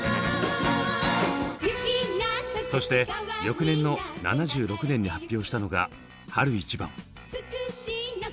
そして翌年の７６年に発表したのが「春一番」。